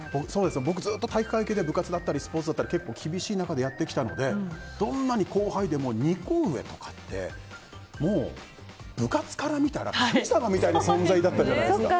僕ずっと体育会系で部活だったりスポーツだったり厳しい中でやってきたので２個上とかってもう部活から見たら神様みたいな存在だったじゃないですか。